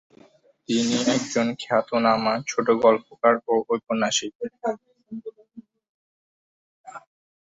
তিনি একজন খ্যাতনামা ছোটগল্পকার ও ঔপন্যাসিক।